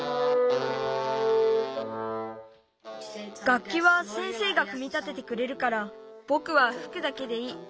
がっきは先生がくみ立ててくれるからぼくはふくだけでいい。